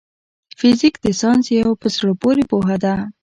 فزيک د ساينس يو په زړه پوري پوهه ده.